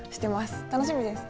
楽しみです。